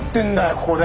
ここで。